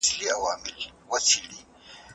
هیچا نه غوښتل چي بیرته تیاره تیر ته ستون سي.